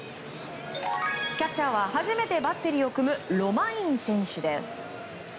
キャッチャーは初めてバッテリーを組むロマイン選手です。